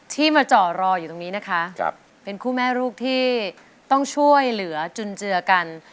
ที่มาจ่อรออยู่ตรงนี้นะคะเป็นคู่แม่ลูกที่ต้องช่วยเหลือจุนเจือกัน